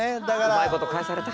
うまいこと返された。